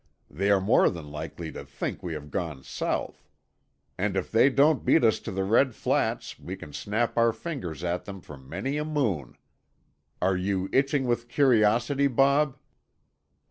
They are more than likely to think we have gone south. And if they don't beat us to the Red Flats we can snap our fingers at them for many a moon. Are you itching with curiosity, Bob?"